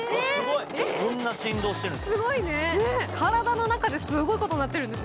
こんな振動してるんです。